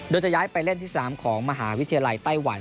โดยจะย้ายไปเล่นที่สนามของมหาวิทยาลัยไต้หวัน